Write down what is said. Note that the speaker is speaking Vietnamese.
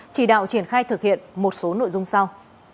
chỉ đạo triển khai thực hiện một số nội dung sau